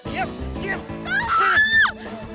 ya makasih makasih